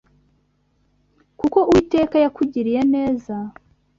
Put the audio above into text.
Kuko Uwiteka yakugiriye neza